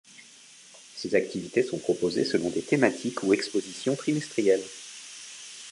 Ces activités sont proposés selon des thématiques ou expositions trimestrielles.